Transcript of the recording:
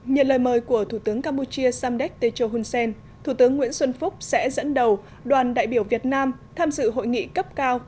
nhận lời mời của thủ tướng campuchia samdek techo hun sen thủ tướng nguyễn xuân phúc sẽ dẫn đầu đoàn đại biểu việt nam tham dự hội nghị cấp cao